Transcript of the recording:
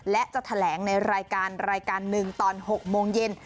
และจะแถลงในรายการรายการหนึ่งตอน๖โมงเย็น